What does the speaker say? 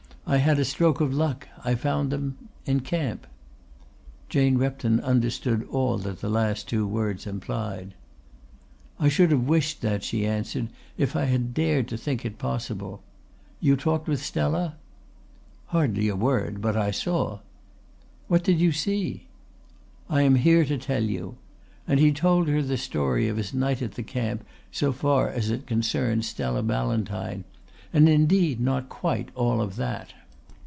"I had a stroke of luck. I found them in camp." Jane Repton understood all that the last two words implied. "I should have wished that," she answered, "if I had dared to think it possible. You talked with Stella?" "Hardly a word alone. But I saw." "What did you see?" "I am here to tell you." And he told her the story of his night at the camp so far as it concerned Stella Ballantyne, and indeed not quite all of that.